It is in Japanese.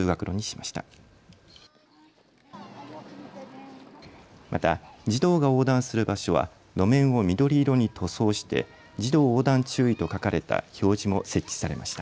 また、児童が横断する場所は路面を緑色に塗装して児童横断注意と書かれた表示も設置されました。